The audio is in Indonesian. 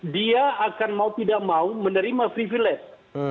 dia akan mau tidak mau menerima privilege